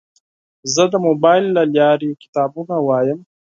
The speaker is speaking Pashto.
زه د موبایل له لارې کتابونه لولم.